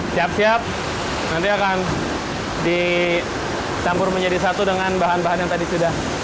siap siap nanti akan dicampur menjadi satu dengan bahan bahan yang tadi sudah